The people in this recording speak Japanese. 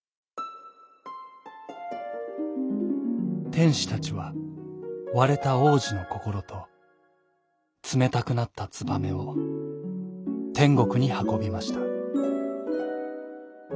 てんしたちはわれたおうじのこころとつめたくなったツバメをてんごくにはこびました。